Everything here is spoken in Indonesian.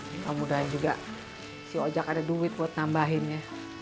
mudah mudahan juga si ojek ada duit buat nambahinnya